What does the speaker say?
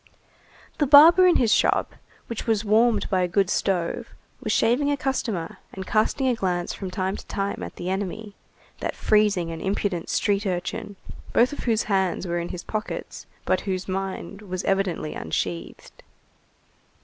The barber in his shop, which was warmed by a good stove, was shaving a customer and casting a glance from time to time at the enemy, that freezing and impudent street urchin both of whose hands were in his pockets, but whose mind was evidently unsheathed.